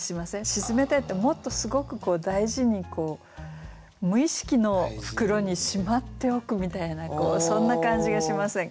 沈めたいってもっとすごく大事に無意識の袋にしまっておくみたいなそんな感じがしませんか？